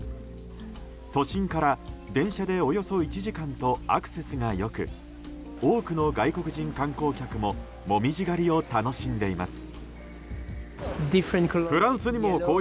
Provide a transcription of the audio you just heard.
都心から電車でおよそ１時間とアクセスが良く多くの外国人観光客も紅葉狩りを楽しんでいます。